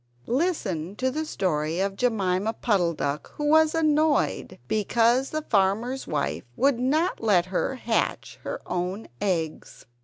Listen to the story of Jemima Puddle duck, who was annoyed because the farmer's wife would not let her hatch her own eggs.